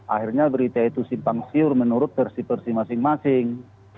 akhirnya berita itu simpang siur menurut versi versi masing masing